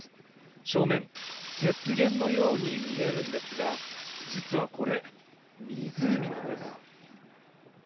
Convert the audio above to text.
正面、雪原のように見えるんですが実はこれ、湖なんです。